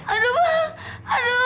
aduh bang aduh